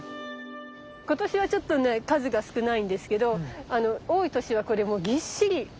今年はちょっとね数が少ないんですけど多い年はこれもうぎっしりなって。